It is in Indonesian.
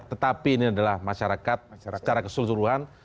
tetapi ini adalah masyarakat secara keseluruhan